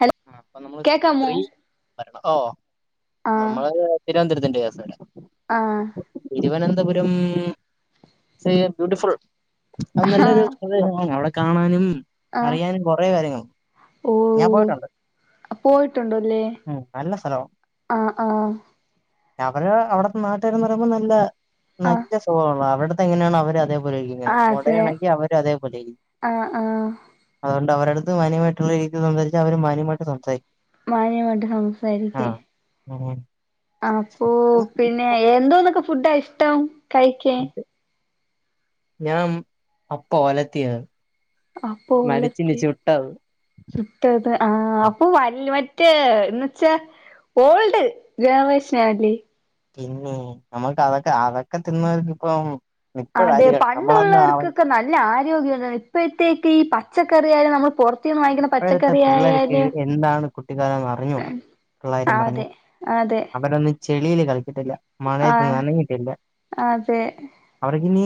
Hello ആ അപ്പൊ നമ്മള് കേക്കാമോ സ്ത്രീ ഭരണം ഓ ആഹ് നമ്മള് തിരുവനന്തപുരത്തിന്റെ വ്യാസം വല്ല ആഹ് തിരുവനന്തപുരം സെ ബ്യൂട്ടിഫുൾ അത് നല്ലൊരു ആഹ് അ അവിടെ കാണാനും ആഹ് അറിയാനും കൊറെ കാര്യങ്ങളുണ്ട് ഞാൻ പോയിട്ടുണ്ട് പോയിട്ടുണ്ട അല്ലേ ഉം നല്ല സ്ഥലവാ ആഹ് ആഹ് അവര് അവിടെ നാട്ടുകാരന്ന് പറയുമ്പോ നല്ല ആഹ് നല്ല ഹോ അവിടുത്തെങ്ങനെയാണ് അവര് അതേപോലെആയിരിക്കും ആഹ് അതെ മുടയണെങ്കി അവര അതേപോലെ ആഹ് ആഹ് അതുകൊണ്ട് അവര അടുത്ത് മാന്യമായിട്ടുള്ളതിൽ സംസാരിച്ചാൽ അവര് മാന്യമായിട്ട് സംസാരിക്കും മാന്യമായിട്ട് സംസാരിക്കും ഉം അപ്പൊ പിന്നെ എന്തോന്നൊക്കെ ഫുഡാ ഇഷ്ടം കഴിക്കാൻ ഞാൻ അപ്പം ഒലത്തിയത് മരിച്ചിനി അപ്പോളത്തെ ചുട്ടത് ചുട്ടത് ആ അപ്പൊ വ മറ്റേ എന്നന്ന് വച്ചാ ഓൾഡ് ഗ്രാമവേശനാണല്ലേ പിന്നെ നമ്മുക്ക് അതൊക്കെ അതൊക്കെ തിന്നവർക്ക് ഇപ്പം അതെ പണ്ടുള്ളവർക്കൊക്കെ നല്ല ആരോഗ്യം ഇപ്പഴത്തേക്ക് ഈ പച്ചക്കറിയാലും നമ്മൾ പൊറ ഇപ്പോഴത്തെ പിള്ളേർക്ക് എന്താണ് കുട്ടിക്കാലൊന്ന് അറിഞ്ഞൂടാ ആ പിള്ളാര് പറഞ്ഞു അതെ അതെ അവരൊന്നും ചെളിയില് കളിച്ചിട്ടില്ല ആ മയയത്ത് നനഞ്ഞിട്ടില്ല അതെ അവർക്കിനി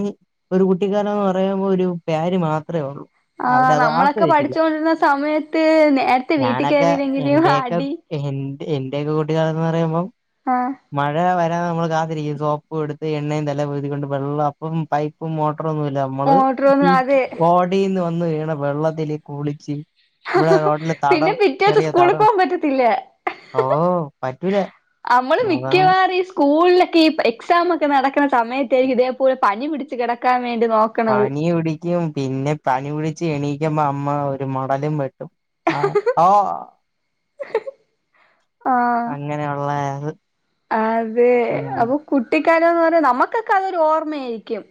ഒരു കുട്ടിക്കാലോന്ന് പറയുമ്പോ ഒരു പാര് മാത്ര ഉള്ളൂ ആ അവരത് നമ്മളൊക്കെ ആസ്വദിച്ചില്ല പഠിച്ചോണ്ടിരുന്ന സമയത്ത് നേരത്തെ വീട്ടിൽ ഞാനൊക്കെ കയറില്ലെങ്കിലും എന്റെയൊക്കെ അടി എ എന്റെറെയൊക്കെ കൂട്ടുകാലംന്ന് പറയുമ്പോ ആഹ് മഴ വരാെ നമ്മള് കാത്തിരിക്കും സോപ്പും എടുത്ത് എണ്ണയും തല പൊഴുതിക്കൊണ്ട് വെള്ളം അപ്പം പൈപ്പും മോട്ടറും ഒന്നു ഇല്ല നമ്മള് ഓട്ടറൊന്നും ഈ അതെ ഓടയിന്ന് വന്ന് വീണ വെള്ളത്തില് കുളിച്ച് ഇവിടെ റോഡില് പിന്നെ തടം പിറ്റേസം ചെറിയ സ്കൂളി തടം പോകാൻ പറ്റത്തില്ലേ ഓ പറ്റൂല നമ്മള് അതാണ് മിക്കവാറു ഈസ് സ്കൂളിലൊക്കെ ഈ എക്സാം ഒക്കെ നടക്കുന്ന സമയത്തായിരിക്കും ഇതേപോലെ പനി പിടിച്ച് കെടക്കാൻ വേണ്ടി നോ പനി പിടിക്കും പിന്നെ പനി പിടിച്ച് എണീക്കുമ്പോ അമ്മ ഒരു മടലും വെ ആ ഓ ആ അങ്ങനെയുള്ള അതെ ഉം അപ്പൊ കുട്ടിക്കാലംന്ന് പറ നമ്മുക്കൊക്കെ അതൊരു ഓർമ്മയായിരിക്കും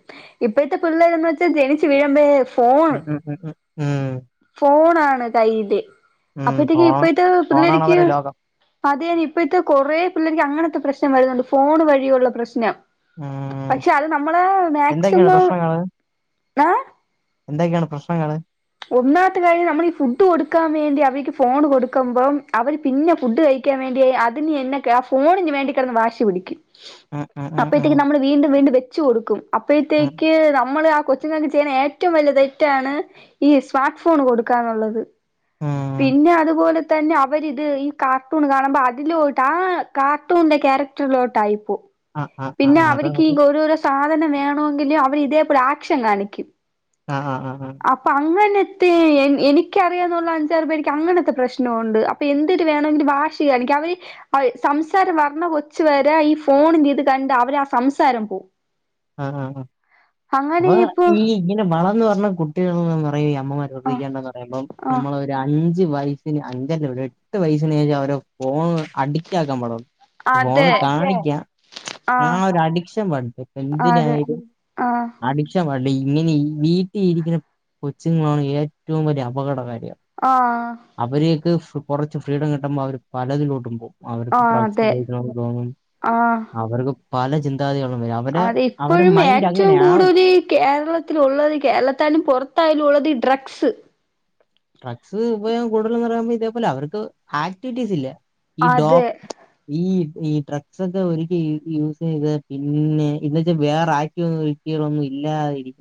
ഇപ്പോഴത്തെ പിള്ളേരന്ന് വെച്ചാൽ ജനിച്ചു വീഴ്ബോയെ ഉം ഉം ഉം ഉം ഉം ഫോണാണ് കയ്യില് ഉം അപ്പത്തേക്ക് ഫോൺ ഇപ്പഴ ത്തെ ഫോണാണ് പിള്ളേരിക്ക് അവരെ ലോകം അതൊന് ഇപ്പ ഇത്തെ കുറെ പിള്ളേർക്ക് അങ്ങനത്തെ പ്രശ്നം വരുന്നുണ്ട് ഫോൺ വഴിയുള്ള പ്രശ്നം ഉം പക്ഷെ അത് നമ്മളെ എന്തൊക്കെയാണ് മാക്സിമം പ്രശ്നങ്ങള് ഏ എന്തൊക്കെയാണ് പ്രശ്നങ്ങള് ഒന്നാമത്തെ കാര്യം നമ്മൾ ഈ ഫുഡ് കൊടുക്കാൻ വേണ്ടി അവർക്ക് ഫോൺ കൊടുക്കുമ്പം അവര് പിന്നെ ഫുഡ് കഴി ക്കാൻ വേണ്ടിയ അതിന് എന്നൊക്കെ ആ ഫോണിന് വണ്ടിക്കിടന്ന് വാശി പിടിക്കും ഉം ഉം ഉം ഉം അപ്പഴ്ത്തേക്ക് നമ്മള് വീണ്ടും വീണ്ടും വെച്ച് കൊടുക്കും ഉം അപ്പഴത്തേക്ക് നമ്മൾ ആ കൊ ച്ച്ങ്ങൾക്ക് ചെയ്യണ ഏറ്റും വലിയ തെറ്റാണ് ഈ സ്മാർട്ട് ഫോൺ കൊടുക്കാന്നുള്ളത് ആ പിന്നെ അതുപോലെ തന്നെ അവരിത് ഈ കാർട്ടൂൺ കാണുമ്പോ അതിലോട്ട് ആ കാർട്ടൂണ്ന്റെ ക്യാരക്ടറിലോട്ട് ആയിപ്പോ ആ ആ ആ പിന്നെ ആ, അത് അവർക്ക് അത് ഓരോരോ സാധനം വേണമെങ്കിലും അവർ ഇതേപോലെ ആക്ഷൻ കാണിക്കും. ആഹ് ആഹ് ആഹ് ആഹ് അപ്പൊ അങ്ങനത്തെ എനിക്കറിയാന്നുള്ള അഞ്ചാറ് പേർക്ക് അങ്ങനത്തെ പ്രശ്നവുണ്ട്. അപ്പൊ എന്തിര് വേണമങ്കിലു വാശി കണിക്കു അവര് സംസാരം വരണ കൊച്ച് വരെ ഈ ഫോണി ഇത് കണ്ട് അവര് ആ സംസാരം പോവും. ആഹ് ആ ആ അങ്ങനെ അപ്പൊ ഇപ്പൊ ഈ ഇങ്ങനെ വളർന്ന് വരണ കുട്ടികള്ന്ന് അമ്മമാർ ആ വെറ്തെരിക്കേണ്ടന്ന് പറയുമ്പോ ആ നമ്മള ഒരു അഞ്ച് വയി അഞ്ചല്ല ഒരു എട്ട് വയസ്സില് അവരെ ഫോൺ അഡിക്റ്റ് ആക്കാൻ പാടില്ല. ഫോണ് അതെ കാണിക്ക ആ ഒരു അഡിക്ഷൻ പാടില്ല. അതെ എന്തിനായാലും ആ അടിക്ഷൻ വാണ്ട ഇങ്ങനെ ഈ വീട്ടിൽ ഇരിക്കുന്ന കൊച്ചുങ്ങളാണ് ഏറ്റവും വലിയ അപകടകാരികൾ. ആഹ് അവരെയൊക്കെ കുറച്ച് ഫ്രീഡം കിട്ടുമ്പോ അവര് പലതിലോട്ടും പോവും. ആ അവർക്ക് ഡ്രഗ്സ് അതെ ഉപയോഗിക്കണെന്ന് തോന്നും. ആഹ് അവർക്ക് പല ചിന്താഗതികളും വരും. അവരെ അ അവരെ ഇപ്പോഴും മൈൻഡ് ഏറ്റവും അങ്ങനെ ആവും. കൂടുതൽ ഈ കേരള ത്തിലുള്ളത് കേരളത്താലും പുറത്തായാലും ഉള്ളത് ഈ ഡ്രഗ്സ് ഡ്രഗ്സ് ഉപയോഗ കൂടുതൽറയുമ്പോ ഇതേപോലെ അവർക്ക് ആക്ടിവിറ്റീസ് ഇല്ല. ഈ ഡോ അതെ ഈ ഈ ഡ്രഗ്സ് ഒക്കെ ഒരിക്കെ യൂസ് ചെയ്ത പിന്നെ ഇന്ന് വെച്ച വേറെ ആക്ടി കുട്ടികളൊന്നും ഇല്ലാതിരി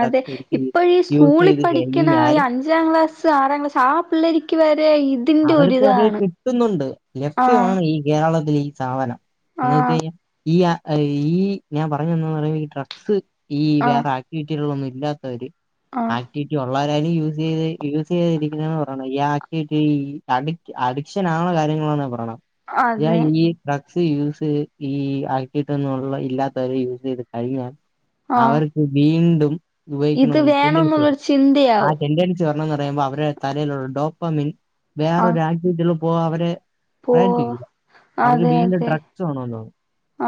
അതെ ഇപ്പഴും ഈ സ്കൂളി ചെയ്ത് പഠിക്കണ ഈ കഴിഞ്ഞാൽ അഞ് അഞ്ചാം ക്ലാസ് ആറാംക്ലാസ് ആഹ് പിള്ളേർക്ക് വരെ ഇ അവർക്കു അത് കിട്ടുന്നൊണ്ട് ആഹ് ലഭ്യമാണ് ഈ കേരളത്തിൽ ഈ സാധനം. എന്ന് വെച്ച് ആഹ് കഴിഞ്ഞാ ഈ ആഹ് ഈ ഞാൻ പറഞ്ഞ എന്തന്ന് പറ ഈ ഡ്രഗ്സ് ഈ ആഹ് വേറെ ആക്ടിവിറ്റിന്നു ഇല്ലാത്തവര് ആഹ് ആക്ടിവിറ്റി ഉള്ളവരെ ഡെയിലി യൂസ് ചെയ്ത് യൂസ് ചെയ്തിരിക്കുന്ന പറയണം ഈ ആക്ടിവി ഈ അഡിറ്റ് അഡിക്ഷൻ ആണ് കാര്യങ്ങളാണ് ഞാന് പറയണ അതെ ഈ ഡ്രഗ്സ് യൂസ് ഈ ആക്കിയിട്ടൊന്നള്ള ഇല്ലാത്തവരെ യൂസ് ചെയ്ത് കഴിഞ്ഞാൽ ആഹ് അവർക്ക് വീണ്ടും ഉപയോഗിക്കണം ഇത് എന്നുള്ള ടെഡൻസി വേണംന്നുള്ളൊരു വരും. ആഹ് ചിന്തയാവും ടെഡൻസി ന്ന് പറയുമ്പോ അവരുടെ തലയിലുള്ള ഡോപ്പമിൻ ആഹ് വേറൊരു ആക്റ്റീവിട്ടികൾ പോക അവരെ പോവാ [unintelligible] അവർക്ക് അതെ വീണ്ടും അതെ ഡ്രഗ്സ് വേണോന്ന് തോന്നും.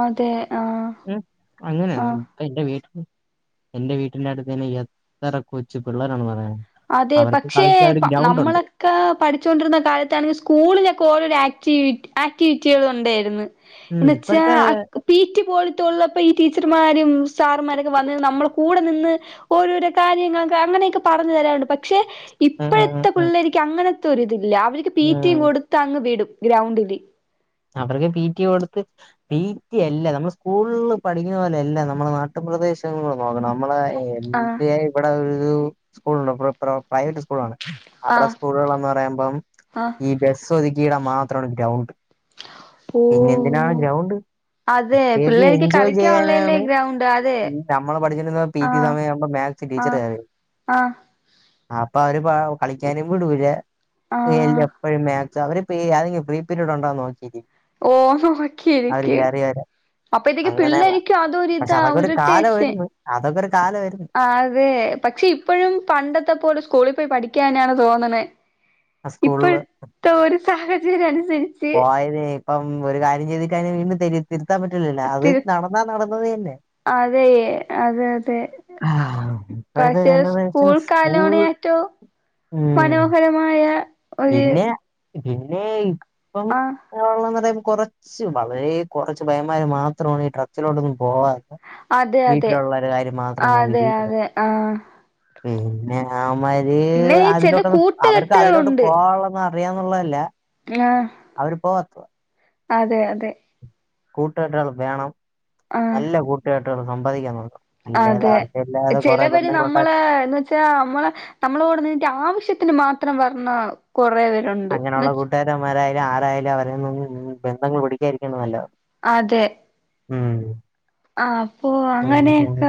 അതെ ആഹ് ഉം അങ്ങനെയാണ ഇത് ആഹ് എന്റെ വീട്ട എന്റെ വീട്ടിന്റെ അടുത്ത്ന്നെ എത്ര കൊച്ചു പിള്ളേരാണന്ന്റിയാമോ അതെ പക്ഷേ പ നമ്മളെ ഒക്കെ പഠിചോണ്ടിരുന്ന കാലത്താണെങ്കി സ്കൂളിലൊക്കെ ഓരോ ആക്ടിവി ആക്ടിവിറ്റികൾ ഉണ്ടായിരുന്നു. ഉം എന്ന് വച്ചാ ഇപ്പഴത്തെ അക് പിറ്റി പോലത്തൊള്ളപ്പോ ഈ ടീച്ചർമാരും സാർമാരൊക്കെ വന്ന് നമ്മളുടെ കൂടെ നിന്ന് ഓരോരോ കാര്യങ്ങൾക്ക് അങ്ങനെയൊക്കെ പ തരാറുണ്ട് പക്ഷെ ഉം ഉം ഇപ്പഴത്തെ ഉം പിള്ളേർക്ക് അങ്ങനത്തെ ഒരിതില്ല അവർക്ക് ഉം പിറ്റി ഉം. കൊട് തങ്ങ് വിടും ഗ്രൗണ്ടില് അവർക്ക് പീറ്റി കൊടുത്ത് പീറ്റി അല്ല നമ്മൾ സ്കൂൽ പഠിക്കുന്ന പോലെ അല്ല നമ്മുടെ നാട്ടു പ്രദേശങ്ങള് നോക്കണം നമ്മളെ [unintelligible] ആഹ് എ ഇവിടെ ഇത് സ്കൂള്ണ്ട് ഇവ പ്രൈവറ്റ് സ്കൂളാണ് അവിടെ ആഹ് സ്കൂളുകൾ എന്ന് പറയുമ്പം ആഹ് ഈ ബസ് സ്വദിക്കുകയിടാ മാത്രമാണ് ഗ്രൗണ്ട് ഓ പിന്നെ എന്തിനാ ഗ്രൗണ്ട് അതെ കുട്ടികക്ക് പിള്ളേർക്ക് എൻജോയ് കളിക്കാനുള്ളതല്ലേ ചെയ്യാനാണ് ഗ്രൗണ്ട് അതെ നമ്മള് പഠിച്ചിരുന്നപ്പ പീറ്റി ആഹ് സമയാവുമ്പ മാ [unintelligible] ടീച്ചർ ആഹ് [unintelligible] ആഹ് അപ്പൊ അവര് കളിക്കാനും വിടൂല എല് ആഹ് എപ്പഴും [unintelligible] അവര്പ്പോ [unintelligible] ഫ്രീ പീരിയഡ് ഉണ്ടോന്ന് നോക്കിട്ട് ഓഹ് ഹോയ് അവരിക്ക് അറിയ അങ്ങനെയല്ല പിള്ളേരിക്കും പക്ഷെ അതൊരിതാ അതൊക്കെ ഒരു ഇറിട്ടേഷൻ കാലവായിരുന്ന് അതൊക്കെ ഒരു കാലവായിരുന്ന് ആഹ് അതെ പക്ഷെ ഇ പ്പഴും പണ്ടത്തെ പോല സ്കൂളി പോയി പഠിക്കാനാണ് തോന്നണെ ആ ഇപ്പഴു സ്കൂളില് ത്തെ ഒരു സാഹചര്യ അനുസരിച് പോയതേ ഇപ്പം ഒരു കാര്യം ചെയ്തുക്ക വീണ്ടും തരും തിരുത്താൻ പറ്റൂലല്ലോ അത് നടന്നാ നടന്നത് തന്നെ അതേ അതെ അതെ ഇപ്പോഴത്തെ പക്ഷെ ജനറേഷൻ സ്കൂൾ സ്കൂൾ കാലവാണ് ഏറ്റോം ഉം മനോഹരമായ ഒരു പിന്നെ [unintelligible] ഇപ്പം ആഹ് [unintelligible] പറയുമ്പോ കുറച്ച് വളരെ കുറച്ച് പയന്മാര് മാത്രമാണ് ഈ ഡ്രഗ്സിലോട്ടൊന്നും പോവാത്ത അതെ അതെ വീട്ടില്ലോള്ളോര കാര്യം മാത്രം നോക്കി അതെ ജീവിക്കണ അതെ ആഹ് പിന്നെ അവമാര് പിന്നെ ഈ ചില അതിലോട്ടൊന്ന് അവർക്ക് അതിലോട്ട് കൂട്ടുകെട്ടുകളുണ്ട് പോകനൊള്ള [unintelligible] അറിയന്നൊള്ളല്ല [unintelligible] അവരിപോത്തോ അതെ അതെ കൂട്ടുകെട്ടുകൾ വേണം ആഹ് നല്ല കൂട്ടുകെട്ടുകൾ സമ്പാദിക്കാൻ [unintelligible] അതെ ആവശ്യമില്ലാതെ കുറെ ചെലവര് ബന്ധങ്ങളുണ്ടാ നമ്മളെ എന്ന് റ്റാമ്മള നമ്മളോട് ൻട്ട ആവശ്യത്തിന് മാത്രം പറഞ്ഞ കുറെവ അങ്ങനെയുള്ള കൂട്ടുകാരന്മാരായാലും ആരായാലും അവരെന്നും ഉം ബന്ധങ്ങൾ കുടിക്കായിരിക്കണ നല്ല. അതെ. ഉം ആഹ് പ്പോ അങ്ങനെപോണ്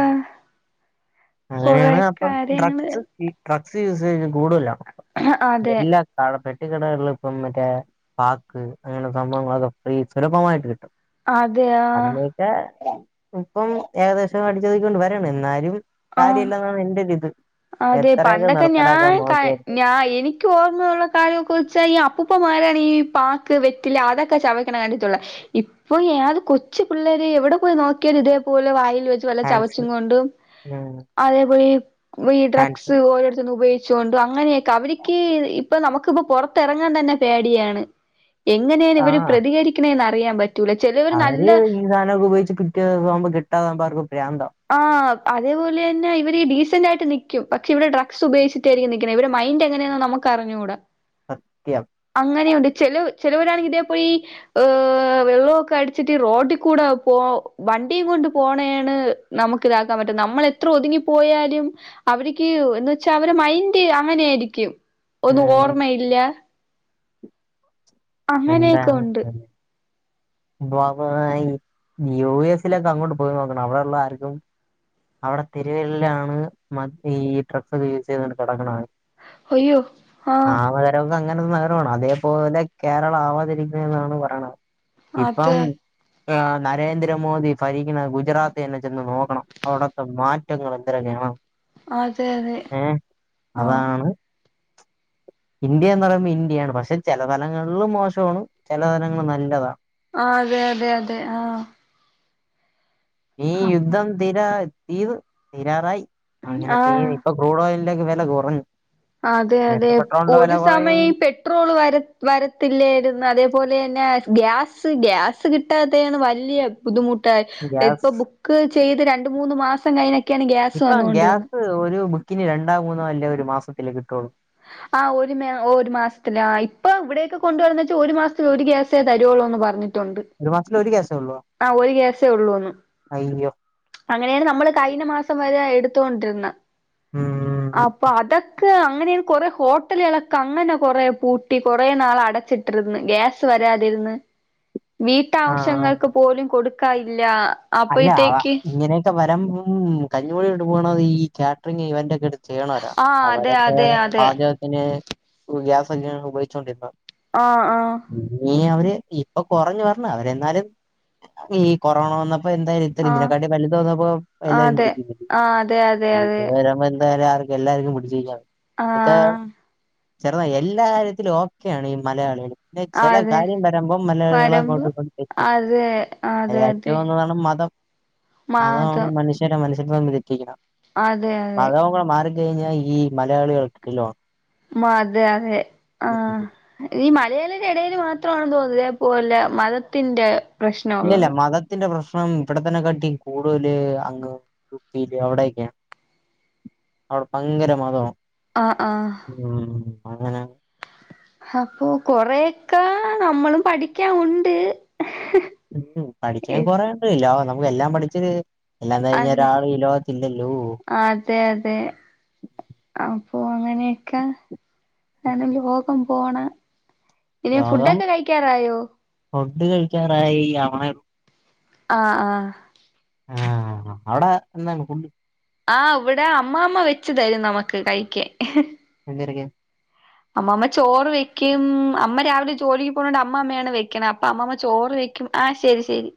കൊറെ അങ്ങനേണ് അപ്പൊ കാര്യങ്ങള് ഡ്രഗ്സ് ഈ ഡ്രഗ്സ് യൂസയ്ന് കൂടുതലാ അതെ എല്ലാ ടെ പെട്ടിക്കിടകളിൽ ഇപ്പം മറ്റേ പാക്ക് അങ്ങനെ സംഭവങ്ങളൊക്കെ ഫ്രീ സുലഭമായിട്ട് കിട്ടും. അതെയാ പ ഇപ്പം ഏകദേശം അടിച്ചൊദിക്കിക്കൊണ്ട് വരണ് ന്നാലും. ആഹ് കാര്യല്ലെന്നാണ് എൻ്റൊരിത്. അതെ പണ്ടൊക്കെ ഞാൻ ക ഞാ എനിക്ക് ഓർമ്മയുള്ള കാലൊക്കെ വെച്ചയ്യ അപ്പൂപ്പമാരാണീ പാക്ക് വെ ഇല്ല അതൊക്കെ ചവയ്ക്കണ കണ്ടിട്ടുള്ള ഇപ്പൊ യേത് കൊച്ചു പിള്ളേര് എവിടെ പോയി നോക്കിയാലു ഇതേപോലെ വായിൽ വെ ല്ല ചവച്ചു ഹാൻഡ്സ് കൊണ്ടു അതേപോലീ ഈ ഈ ഹാൻഡ്സ് ഡ്രഗ്‌സ് ഓരോട്ത്തന്ന് ഉപയോഗിചോണ്ട് അങ്ങനെയൊക്കെ അവര്ക്ക് ഇപ്പൊ നമുക്കിപ്പൊ പൊറത്തിറങ്ങാൻ തന്നെ പേടിയാണ്. എങ്ങനെയാണ് ഇവര് ആഹ് പ്രതികരിക്കണേന്ന് അറിയാൻ പറ്റ് അവര് ഈ സാനൊക്കെ ഉപയോഗിച്ച് കിട്ടിയതക്കാകുമ്പോ കിട്ടാതൊവുമ്പോ അവർക്ക് പ്രാന്താവു. ആഹ് അതേപോലെ തന്നെ ഇവര് ഈ ഡീസൻ്റായിട്ട് നിക്കും പക്ഷെ ഇവിടെ ഡ്രഗ്സ് ഉപയോഗിച്ചി ട്ടായിരിക്കും നിക്കുന്നെ ഇവരെ മൈൻ്റെങ്ങനാന്ന് നമുക്കറിഞ്ഞൂട. സത്യം. അങ്ങനെയുണ്ട് ചെലവ് ചെലവരാണെങ്കി ഇതേ പോ ഈ വെള്ളൊക്കെ അടിച്ചിട്ട് റോട്ടി കൂടെ പോ വണ്ടിയും കൊണ്ട് പോണേണ് നമുക്കിതാക്കാൻ പറ്റു നമ്മളെത്ര ഒതുങ്ങിപ്പോയാലും അവര്ക്കി എന്ന് വെച്ചാ അവരെ മൈൻഡ് അങ്ങനെയായിരിക്കും ഒന്നും ഉം ഓർമയില്ല. എന്താണ് അങ്ങനെയൊക്കുണ്ട്. [unintelligible] യു എസ്സിലൊക്കെ അങ്ങോട്ട് പോയി നോക്കണം അവിടുള്ള ആർക്കും അവിടെ തെരുവില്ലാണ് മറ്റേ ഈ ഡ്രഗ്സൊക്കെ യൂസെയ്തൊണ്ട് കെടക്കണത്. അയ്യോ [unintelligible] ക ആഹ് അങ്ങനൊരു നഗരാണ് അതേപോലെ കേരളം ആവാതിരിക്കുന്നെന്നാണ് പറയണ ഇപ്പം അതെ നരേന്ദ്രമോദി ഭരിക്ക്ണ ഗുജറാത്ത് തന്നെ ചെന്ന് നോക്കണം അവിടത്തെ മാ [unintelligible] അതെ അതെ ഏഹ് ആഹ് അതാണ് ഇന്ത്യന്ന് പറയുമ്പോ ഇന്ത്യയാണ്. പക്ഷെ ചെല തലങ്ങളില് മോശമാണ്, ചെല തലങ്ങൾ നല്ലതാ. ആഹ് അതെ അതെ അതെ ആഹ് ഈ അപ്പൊ യുദ്ധം തീരാ തീതു തീരാറായി അങ്ങനെ തീ ആഹ് ഇപ്പൊ ക്രൂഡോയിലിൻ്റൊക്കെ വെല കൊറഞ്ഞു. അതെ അതെ ഒരു കുറയും സമയം ഇ പെ ട്രോള് വര വരത്തില്ലായിരുന്നു. അതേപോലെ തന്നെ ഗ്യാസ് ഗ്യാസ് കിട്ടാത്തേണ് വല്യ ബുദ്ധിമുട്ടായി ഇപ്പൊ ഗ്യാസ് ബുക്ക് ചെയ്ത് രണ്ട് മൂന്ന് മാസം കഴിഞ്ഞ ഇപ്പം ഗ്യാസ് ഒരു ബുക്കിന് രണ്ടോ മൂന്നോ അല്ലേ ഒരു മാസത്തില് കിട്ടുള്ളൂ. ആഹ് ഒരു മേ ഒരു മാസ്ത്തിലാ. ആ ഇപ്പം ഇവിടെയൊക്കെ കൊണ്ടുവരുന്നച്ചാ ഒരു മാസത്തെ ഒരു ഗ്യാസ് സേ തരോള്ളൂ എന്ന് പർഞ്ഞിട്ടുണ്ട്. ഒരു മാസത്തില് ഒരു ഗ്യാസേള്ളോ? ആഹ് ഒരു ഗ്യാസേ ഉള്ളൂന്ന്. അങ്ങനേണ് നമ്മള് കഴിഞ്ഞ മാസം വരെ എടുത്തോണ്ടിര്ന്ന ഉം അപ്പ അതക്കെ അങ്ങനെയാണ് കൊറെ ഹോട്ടലുകളെക്ക അങ്ങന കൊറേ പൂട്ടി കൊറേ നാൾ അടച്ച്ട്ടിര്ന്ന് ഗ്യാസ് വരാതിരുന്ന് ആ വീട്ടാവശ്യങ്ങൾക്ക് പോലും കൊടുക്കാ ഇല്ല. അല്ല അവ ഇങ്ങനെക്ക വരമ്പം കഞ്ഞൂടി ഇട്ട് പോണത് ഈ ക്യാറ്റ്റിങ്ങ് ഇവന്റെക്കെടു ചെയ്യണോരാണ്. ആഹ് അതെ അവരെക്കെ അതെ അതെ പാചകത്തിന് ഉ ഗ്യാസക്കെയാണ് ഉപയോഗിച്ചോണ്ടിര്ന്ന ആഹ് ആഹ് ഇനി അവര് ഇപ്പ കൊറഞ്ഞ് പർഞ്ഞ് അവര് എന്നാലും ഈ കൊറോണ വന്നപ്പോ എന്തായ ചെല് ആഹ് ഇതിനെക്കാട്ടി വല്ത് വന്നപ്പോ എല്ലാരും അതെ പിടിക്കപ്പെട്ടു ആഹ് അതെ അതെ ഇത് അതെ വരുമ്പോ എന്തായാലും ആർ എല്ലാര്ക്കും പിട്ച്ച് നിക്കാം [unintelligible] ആഹ് ചെറുന്നാ എല്ലാ കാര്യത്തിലും ഓക്കെയാണ് ഈ മലയാളികള് പിന്നെ ചെല അതെ കാര്യം വരുമ്പം മലയാളികള് വരമ്പ് അങ്ങോട്ട് ഇങ്ങോട്ട് തെറ്റും അതെ അയ്ല് അതെ അതെ ഏറ്റൊന്ന് മതം മതാണ് മാതം മനുഷ്യരെ [unintelligible] തെറ്റിക്കണ അതെ അതെ മതൊക്കൊട മാറിക്കഴിഞ്ഞ ഈ മലയാളികള് കിടിലാണ്. മത അതെ ആഹ് ഈ മലയാളീടെ എടേല് മാത്രാണ് തോന്ന് ഇതേ പോല മതത്തിന്റ ഇല്ലല്ല മതത്തിന്റെ പ്രശ്നം ഇവ്ടത്തനെ കാട്ടി കൂടുതല് അങ്ങ് യു പ്പിയില് അവിടെക്കെയാണ്. അവട പയ്ങ്കര മത ആഹ് ആഹ് ഉം അങ്ങനെ അപ്പോ കൊറേയെക്ക നമ്മളും പഠിക്കാം ഉണ്ട് ഉം ഹു പഠിക്കാം കൊറേണ്ട് എല്ലാവും നമുക്ക് എല്ലാം പഠിച്ചൊര് എല്ലാം തെകഞ്ഞ് അതെ ഒരാള് ഈ ലോകത്തില്ലല്ലോ അതെ അതെ അപ്പൊ അങ്ങനെ ക്കെ ഇതാണ് ലോകം പോണ ഇനി ലോകം ഫുഡൊക്ക കഴിക്കാറായോ ഫുഡ് കഴിക്കാറായ് ആവണെ ആഹ് ആഹ് ആഹ് അവ്ടെ ഇന്ന് ഫുഡ് ആഹ് ഇവ്ടെ അമ്മാമ വെച്ച്തെരും നമക്ക് കയ്ക്കാൻ എന്തരെക്കെ അമ്മാമ ചോറ് വെക്കും അമ്മ രാവിലെ ജോലിക്ക് പോണോണ്ട് അമ്മാമയാണ് വെക്കണ അപ്പൊ അമ്മ്മാമ്മ ചോറ് വെക്ക് ക്കും ആഹ് ശരി ശരി